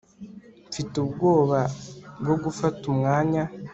mfite ubwoba bwo gufata umwanya